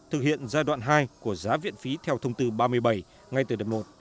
thực hiện giai đoạn hai của giá viện phí theo thông tư ba mươi bảy ngay từ đợt một